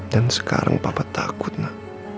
dan sekarang papa takut nak